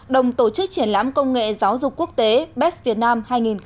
đồng tổ chức triển lãm công nghệ giáo dục quốc tế best việt nam hai nghìn một mươi chín